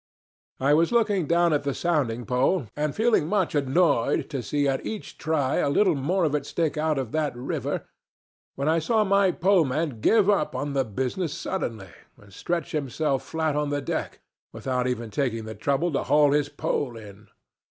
"I was looking down at the sounding pole, and feeling much annoyed to see at each try a little more of it stick out of that river, when I saw my poleman give up the business suddenly, and stretch himself flat on the deck, without even taking the trouble to haul his pole in.